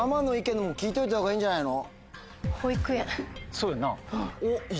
そうやんな？